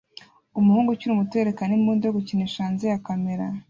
Umuhungu ukiri muto yerekana imbunda yo gukinisha hanze ya kamera